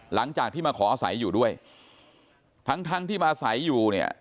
หลังจากที่มาขออาศัยอยู่ด้วยทั้งทั้งที่มาอาศัยอยู่เนี่ย